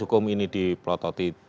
hukum ini dipelototi